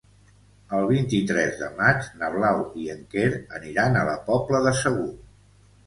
El vint-i-tres de maig na Blau i en Quer aniran a la Pobla de Segur.